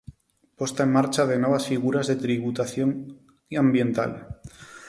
Posta en marcha de novas figuras de tributación ambiental.